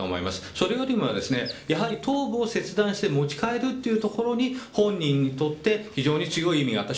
それよりもやはり頭部を切断して持ち帰るというところに、本人にとって非常に強い意味があった。